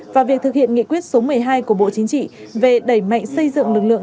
và việc thực hiện nghị quyết số một mươi hai của bộ chính trị về đẩy mạnh xây dựng lực lượng